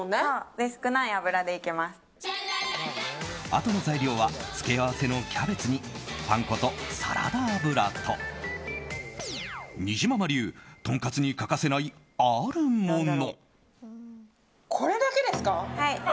あとの材料は付け合わせのキャベツにパン粉とサラダ油とにじまま流とんかつに欠かせない、あるもの。